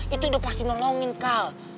itu udah pasti nolongin kal